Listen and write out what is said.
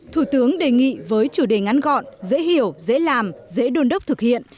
thủ tướng đề nghị với chủ đề ngắn gọn dễ hiểu dễ làm dễ đôn đốc thực hiện